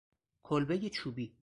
کلبهی چوبی